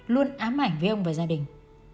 luôn ám ảnh với ông và gia đình